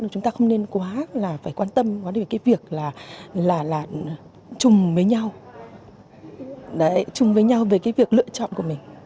chúng ta không nên quá quan tâm về việc chung với nhau chung với nhau về việc lựa chọn của mình